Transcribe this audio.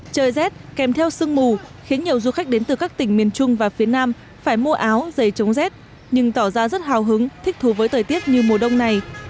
trời rét kèm theo sương mù khiến nhiều du khách đến từ các tỉnh miền trung và phía nam phải mua áo dày chống rét nhưng tỏ ra rất hào hứng thích thú với thời tiết như mùa đông này